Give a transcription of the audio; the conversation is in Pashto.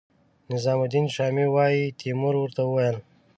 نظام الدین شامي وايي تیمور ورته وویل.